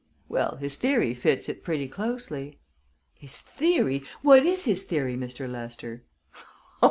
"Well, his theory fits it pretty closely." "His theory! What is his theory, Mr. Lester?"